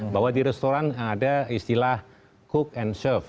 bahwa di restoran ada istilah cook and serve